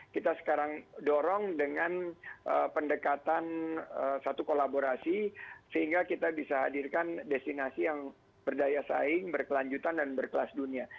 kita sekarang dorong dengan pendekatan satu kolaborasi sehingga kita bisa hadirkan destinasi yang berdaya saing berkelanjutan dan berkelas dunia